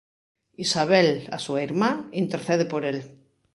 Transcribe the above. Isabel, a súa irmá, intercede por el.